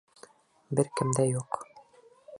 Бер кемдә юҡ.